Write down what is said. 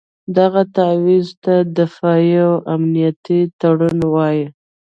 دغه تعویض ته دفاعي او امنیتي تړون وایي.